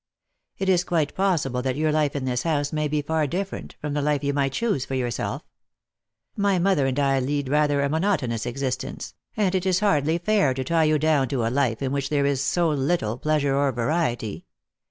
It is quite possible that your life in this house may be far different from the life you might choose for yourself. My mother and I lead rather a monotonous exist ence, and it is hardly fair to tie you down to a life in which there is so iritle pleasure or variety.